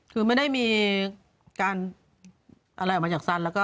คือไม่ได้มีการอะไรออกมาจากสันแล้วก็